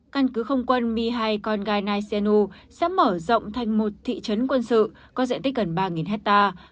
căn cứ không quân mihai koganai sianu sẽ mở rộng thành một thị trấn quân sự có diện tích gần ba hectare